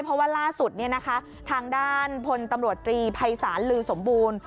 เพราะว่าล่าสุดทางด้านพลตำรวจตรีภัยศาลลือสมบูรณ์